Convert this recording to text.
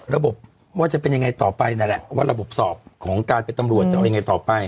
ว่าจะเป็นยังไงต่อไปนั่นแหละว่าระบบสอบของการเป็นตำรวจจะเอายังไงต่อไป